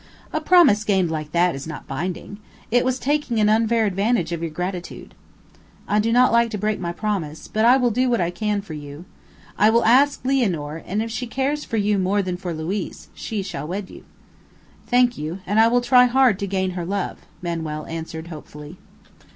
"A promise gained like that is not binding. It was taking an unfair advantage of your gratitude." "I do not like to break my promise, but I will do what I can for you; I will ask Lianor, and if she cares for you more than for Luiz, she shall wed you." "Thank you; and I will try hard to gain her love," Manuel answered hopefully.